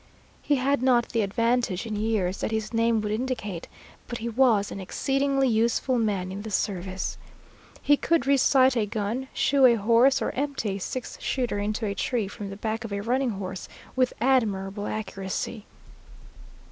He had not the advantage in years that his name would indicate, but he was an exceedingly useful man in the service. He could resight a gun, shoe a horse, or empty a six shooter into a tree from the back of a running horse with admirable accuracy.